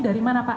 dari mana pak